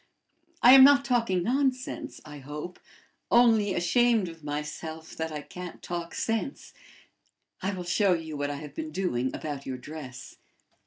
I am not talking nonsense, I hope, only ashamed of myself that I can't talk sense. I will show you what I have been doing about your dress."